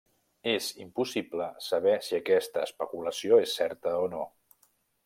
És impossible saber si aquesta especulació és certa o no.